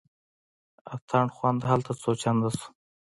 اتڼ خوند هلته څو چنده شو.